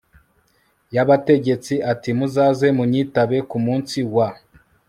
yabategetse ati Muzaze munyitabe ku munsi wa